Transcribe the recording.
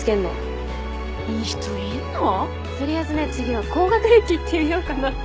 取りあえずね次は高学歴いってみようかなと。